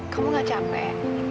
kamu gak capek